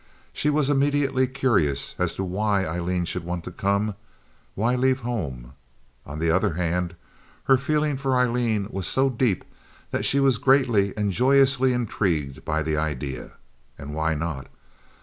She was immediately curious as to why Aileen should want to come—why leave home. On the other hand, her feeling for Aileen was so deep that she was greatly and joyously intrigued by the idea. And why not?